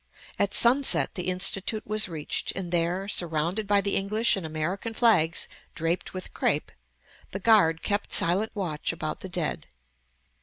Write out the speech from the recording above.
At sunset the Institute was reached, and there, surrounded by the English and American flags draped with crape, the guard kept silent watch about the dead.